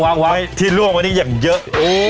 วางที่ล่วงวันนี้ยังเยอะ